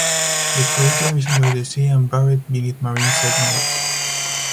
The crater is under the sea and buried beneath marine sediments.